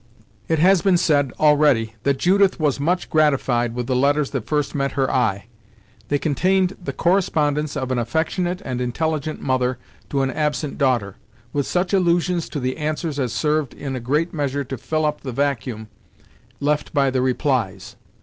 It has been said, already, that Judith was much gratified with the letters that first met her eye. They contained the correspondence of an affectionate and inteffigent mother to an absent daughter, with such allusions to the answers as served in a great measure to fill up the vacuum left by the replies.